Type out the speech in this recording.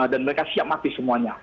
dan mereka siap mati semuanya